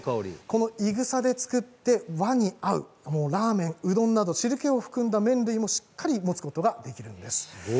いぐさで作って和に合うラーメン屋やうどんなど汁けを含んだものもしっかりとつかむことができます。